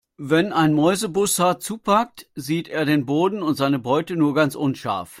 Wenn ein Mäusebussard zupackt, sieht er den Boden und seine Beute nur ganz unscharf.